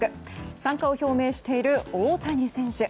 参加を表明してる大谷選手。